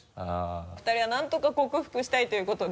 ２人はなんとか克服したいということで。